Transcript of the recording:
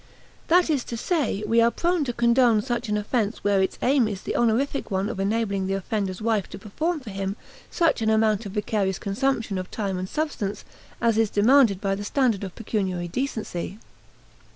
That is to say, we are prone to condone such an offense where its aim is the honorific one of enabling the offender's wife to perform for him such an amount of vicarious consumption of time and substance as is demanded by the standard of pecuniary decency.